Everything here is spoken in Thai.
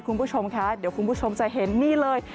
คุณผู้ชมคะเดี๋ยวคุณผู้ชมจะเห็นนี่เลย